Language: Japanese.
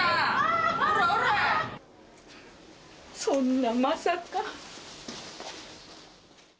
そんなまさか。